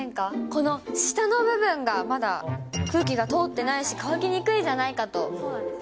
この下の部分がまだ空気が通ってないし、乾きにくいじゃないかと。